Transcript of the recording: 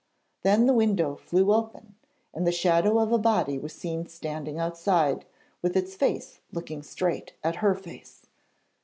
Then the window flew open and the shadow of a body was seen standing outside, with its face looking straight at her face.